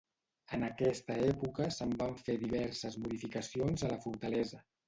En aquesta època se'n van fer diverses modificacions a la fortalesa.